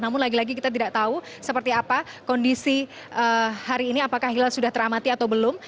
namun lagi lagi kita tidak tahu seperti apa kondisi hari ini apakah hilal sudah teramati atau belum